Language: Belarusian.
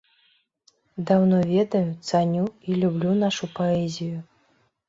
Даўно ведаю, цаню і люблю нашу паэзію.